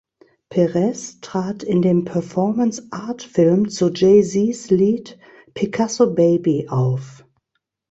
Perez trat in dem Performance-Art-Film zu Jay Zs Lied "Picasso Baby" auf.